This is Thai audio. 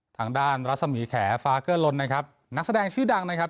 ทางด้านรัศมีแขฟ้าเกอร์ลนนะครับนักแสดงชื่อดังนะครับ